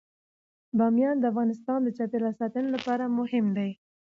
بامیان د افغانستان د چاپیریال ساتنې لپاره مهم دي.